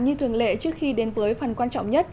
như thường lệ trước khi đến với phần quan trọng nhất